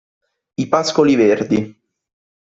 I pascoli verdi.